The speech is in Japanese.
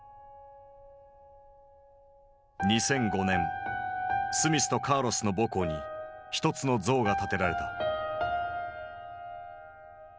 ２００５年スミスとカーロスの母校に一つの像が建てられた。